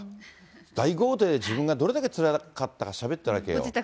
大豪邸で自分がどれだけつらかったかしゃべってるわけよ。